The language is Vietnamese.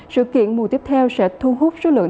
sự kiện mùa tiếp theo sẽ thu hút số lượng